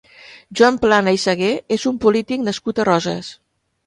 Joan Plana i Sagué és un polític nascut a Roses.